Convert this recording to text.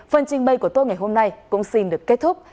phần trình bày của tôi ngày hôm nay cũng xin được kết thúc